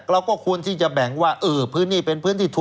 เราก็ควรแบ่งว่าพื้นที่นี้เป็นทุรีสต์